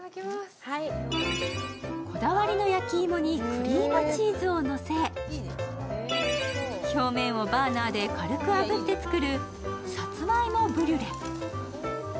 こだわりの焼き芋にクリームチーズをのせ表面をバーナーで軽くあぶって作る、さつまいもブリュレ。